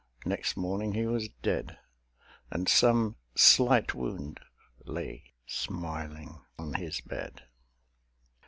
next morning he was dead; And some Slight Wound lay smiling on his bed.